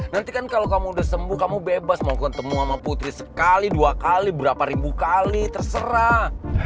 nanti kan kalau kamu udah sembuh kamu bebas mau ketemu sama putri sekali dua kali berapa ribu kali terserah